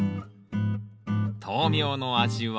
豆苗の味は？